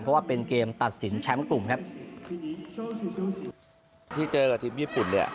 เพราะว่าเป็นเกมตัดสินแชมป์กลุ่มครับที่เจอกับทีมญี่ปุ่นเนี่ย